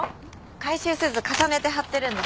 回収せず重ねて貼ってるんです。